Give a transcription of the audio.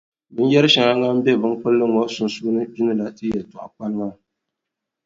Binyɛrʼ shɛŋa ŋan be binkpulli ŋɔ sunsuuni kpinila ti yɛltɔɣikpani maa.